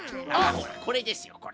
これですよこれ。